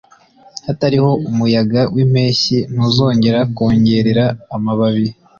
Hatariho umuyaga wimpeshyi ntuzongera kwongorera amababi